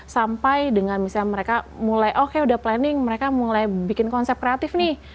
sampai dengan misalnya mereka mulai oke udah planning mereka mulai bikin konsep kreatif nih